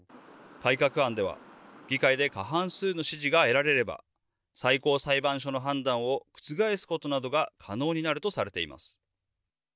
改革案では議会で過半数の支持が得られれば最高裁判所の判断を覆すことなどが可能になるとされています。